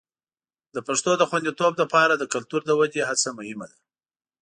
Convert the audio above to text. د پښتو د خوندیتوب لپاره د کلتور د ودې هڅه مهمه ده.